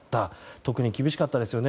特に厳しかったですね